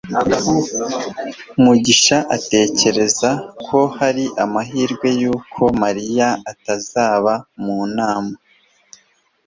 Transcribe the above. mugisha atekereza ko hari amahirwe yuko mariya atazaba mu nama